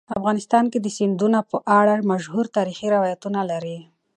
افغانستان د سیندونه په اړه مشهور تاریخی روایتونه لري.